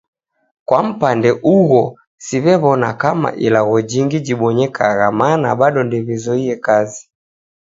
Kwa mpande ugho siwewona kama ilagho jingi jibonyekagha mana bado ndewizoe kazi